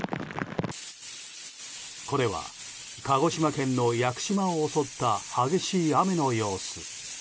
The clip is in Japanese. これは鹿児島県の屋久島を襲った激しい雨の様子。